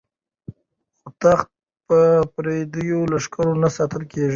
خو تخت په پردیو لښکرو نه ساتل کیږي.